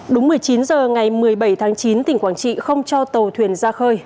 đúng một mươi chín h ngày một mươi bảy tháng chín tỉnh quảng trị không cho tàu thuyền ra khơi